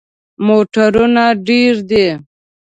موټرونه ډیر دي